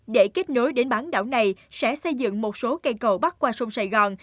để kết nối đến bán đảo này sẽ xây dựng một số cây cầu bắc qua sông sài gòn